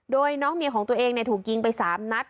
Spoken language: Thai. โดยน้องเมียของตัวเองเนี่ยถูกยิงไปสามนัด